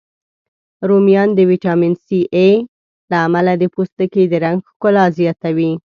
رومیان د ویټامین C، A، له امله د پوستکي د رنګ ښکلا زیاتوی